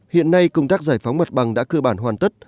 hiện nay công tác giải phóng mặt bằng đã cơ bản hoàn tất